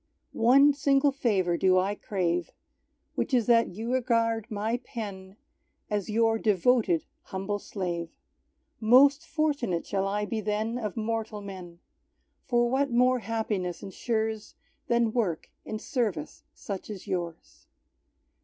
One single favour do I crave, Which is that You regard my pen As Your devoted humble slave. Most fortunate shall I be then Of mortal men; For what more happiness ensures Than work in service such as Yours?